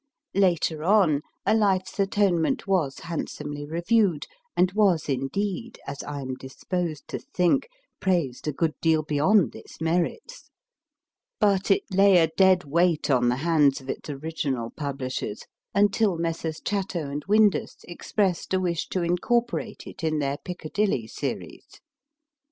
Later on, A Life s Atonement was handsomely reviewed, and was indeed, as I am disposed to think, praised DAVID CHRISTIE MURRAY 205 a good deal beyond its merits. But it lay a dead weight on the hands of its original publishers, until Messrs. Chatto & Windus expressed a wish to incorporate it in their Piccadilly Series.